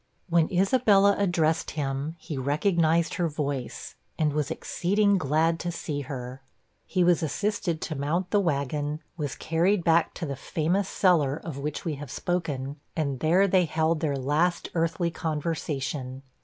When Isabella addressed him, he recognized her voice, and was exceeding glad to see her. He was assisted to mount the wagon, was carried back to the famous cellar of which we have spoken, and there they held their last earthly conversation.